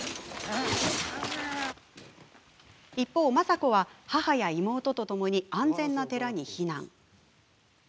一方、政子は母や妹とともに安全な寺に避難。